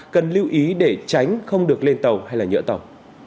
cần lưu ý để tránh không được lên tàu hay nhựa tàu